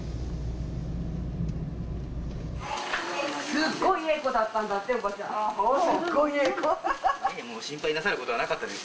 すっごいええ子だったんだっておばちゃん心配なさることはなかったです